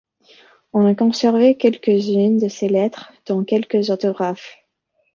On a conservé quelques-unes de ses lettres, dont quelques autographes.